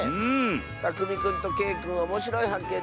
たくみくんとけいくんおもしろいはっけん